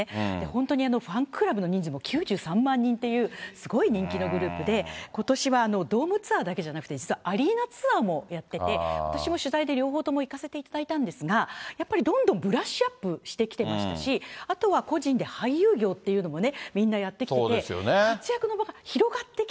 本当に、ファンクラブの人数も９３万人っていう、すごい人気のグループで、ことしはドームツアーだけじゃなくて、実はアリーナツアーもやってて、私も取材で両方とも行かせていただいたんですが、やっぱり、どんどんブラッシュアップしてきてましたし、あとは個人で俳優業っていうのもね、みんなやってきていて。